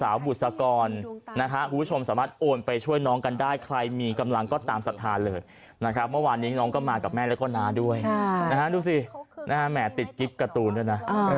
อันนี้น้องก็มากับแม่แล้วก็น้าด้วยนะฮะดูสิแม่ติดกริปการ์ตูนด้วยนะ